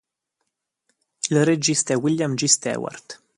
Il regista è William G. Stewart.